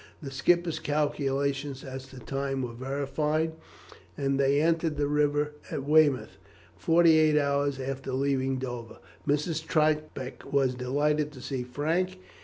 The skipper's calculations as to time were verified, and they entered the river at Weymouth forty eight hours after leaving Dover. Mrs. Troutbeck was delighted to see Frank.